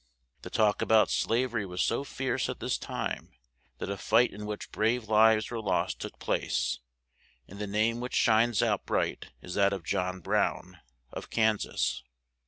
The talk a bout slav er y was so fierce at this time that a fight in which brave lives were lost took place, and the name which shines out bright is that of John Brown of Kan sas.